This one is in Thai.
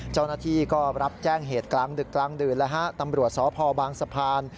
เจ้าหน้าที่ก็รับแจ้งเหตุกลางดึกตำรวจศพบางสะพาน